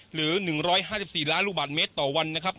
หรือ๑๕๔ล้านลูกบาทเมตรต่อวันนะครับ